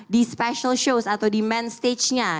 di special show atau di main stage nya